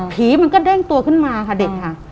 มันก็เด้งตัวขึ้นมาค่ะเด็กค่ะ